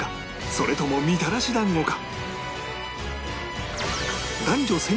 それともみたらし団子か？